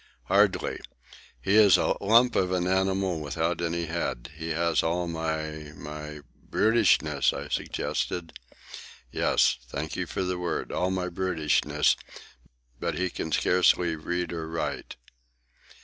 "Hardly. He is a lump of an animal without any head. He has all my—my—" "Brutishness," I suggested. "Yes,—thank you for the word,—all my brutishness, but he can scarcely read or write."